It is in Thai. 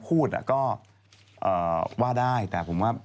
พี่ชอบแซงไหลทางอะเนาะ